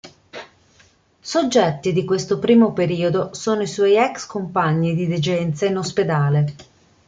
Soggetti di questo primo periodo sono i suoi ex compagni di degenza in ospedale.